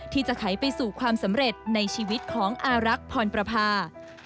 ที่จะไขไปสู่ความสำเร็จในชีวิตของอารักษ์พรประพา